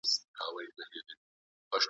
آیا مسموم شوي کسان په روغتون کې بستر دي؟